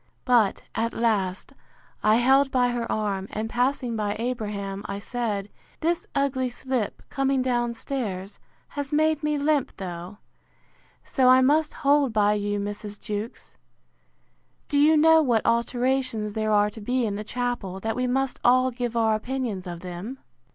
But, at last, I held by her arm, and passing by Abraham, I said, This ugly slip, coming down stairs, has made me limp, though; so I must hold by you, Mrs. Jewkes. Do you know what alterations there are to be in the chapel, that we must all give our opinions of them?